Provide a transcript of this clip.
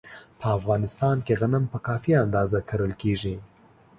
په افغانستان کې غنم په کافي اندازه کرل کېږي.